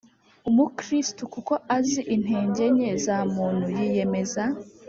umukristu kuko azi intege nke za muntu yiyemeza